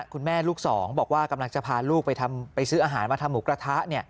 ลูกสองบอกว่ากำลังจะพาลูกไปซื้ออาหารมาทำหมูกระทะ